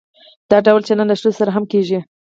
دا ډول چلند له ښځو سره هم کیږي.